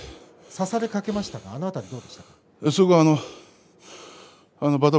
差されかけましたがあの辺りどうでした。